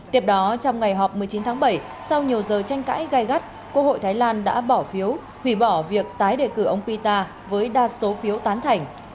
tiếp đó trong ngày họp một mươi chín tháng bảy sau nhiều giờ tranh cãi gai gắt quốc hội thái lan đã bỏ phiếu hủy bỏ việc tái đề cử ông pita với đa số phiếu tán thành